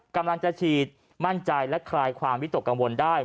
กำลังจะฉีดมั่นใจและคลายความวิตกกังวลได้